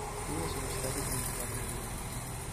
Due sono stati i principali moventi.